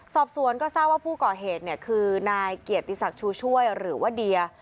สอบสวนก็ทราบว่าผู้ก่อเหตุคือนายเกียรติศักดิ์ชูช่วยหรือว่าเดีย